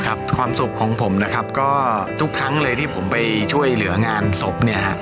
ความสุขของผมนะครับก็ทุกครั้งเลยที่ผมไปช่วยเหลืองานศพเนี่ยฮะ